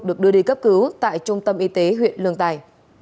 được đưa đi cấp cứu tại trung tâm y tế huyện lương tài